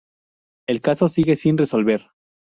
El caso sigue sin resolver.